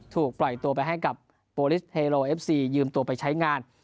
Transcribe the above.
ถูกปล่อยตัวไปให้กับโปรลิสเทโลเอฟซียืมตัวไปใช้งาน